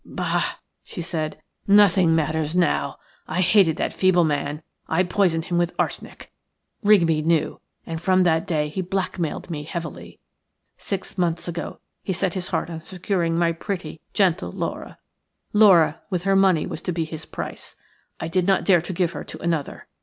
"Bah!" she said, "nothing matters now. I hated that feeble man. I poisoned him with arsenic. Rigby knew, and from that day he blackmailed me heavily. Six months ago he set his heart on securing my pretty, gentle Laura – Laura with her money was to be his price. I did not dare to give her to another.